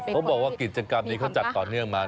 เขาบอกว่ากิจกรรมนี้เขาจัดต่อเนื่องมา